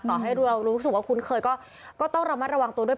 ต่อให้เรารู้สึกว่าคุ้นเคยก็ต้องระมัดระวังตัวด้วย